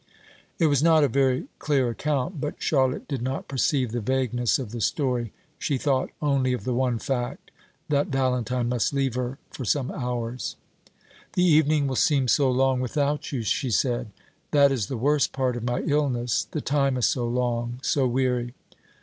It was not a very clear account; but Charlotte did not perceive the vagueness of the story; she thought only of the one fact, that Valentine must leave her for some hours. "The evening will seem so long without you," she said. "That is the worst part of my illness; the time is so long so weary.